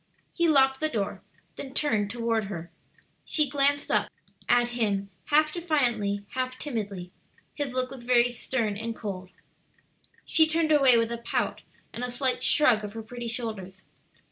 He locked the door, then turned toward her. She glanced up at him half defiantly, half timidly. His look was very stern and cold. She turned away with a pout and a slight shrug of her pretty shoulders.